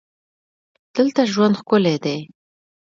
دلته ژوند ښکلی دی.